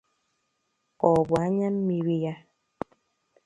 ka ọ bụ anyammiri ya?